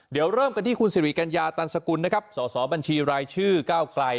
เดี๋ยวเริ่มกันที่คุณสิริกัญญาตันสกุลนะครับสอสอบัญชีรายชื่อก้าวไกล